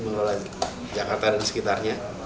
mengelola jakarta dan sekitarnya